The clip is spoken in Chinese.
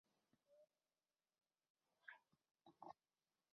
四川农村的道路和水塘旁常能见到石敢当。